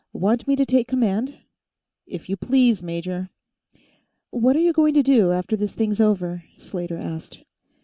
"Want me to take command?" "If you please, major." "What are you going to do, after this thing's over?" Slater asked.